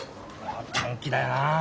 短気だよな。